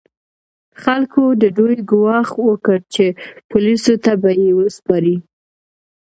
خلکو د دوی ګواښ وکړ چې پولیسو ته به یې وسپاري.